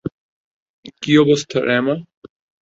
কী অবস্থা, রাম্যায়া।